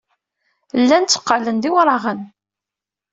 Llan tteqqalen d iwraɣen.